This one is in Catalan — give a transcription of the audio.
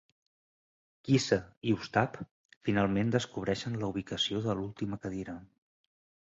Kisa i Ostap finalment descobreixen la ubicació de l"última cadira.